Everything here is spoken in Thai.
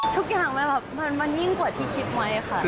ทุกอย่างมันเงินกว่าที่คิดไหมค่ะ